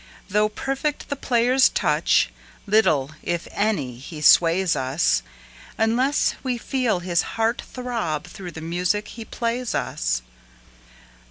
Though perfect the player's touch, little, if any, he sways us, Unless we feel his heart throb through the music he plays us.